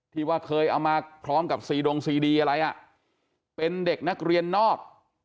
ที่ว่าเคยเอามาพร้อมกับซีดงซีดีอะไรอ่ะเป็นเด็กนักเรียนนอก